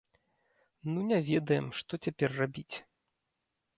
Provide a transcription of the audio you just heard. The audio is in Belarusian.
Ну не ведаем, што цяпер рабіць!